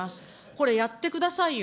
これ、やってくださいよ。